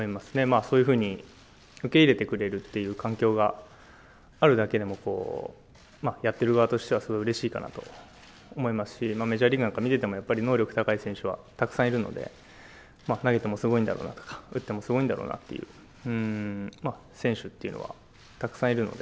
そういうふうに受け入れてくれるという環境があるだけでも、やっている側としてはすごいうれしいかなと思いますし、メジャーリーグなんかを見ていても、能力が高い選手はたくさんいるので、投げてもすごいんだろうなとか、打ってもすごいんだろうなという選手というのはたくさんいるので。